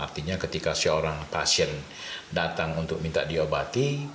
artinya ketika seorang pasien datang untuk minta diobati